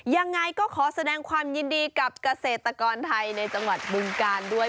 ยังไงก็ขอแสดงความยินดีกับเกษตรกรไทยในจังหวัดบึงกาลด้วย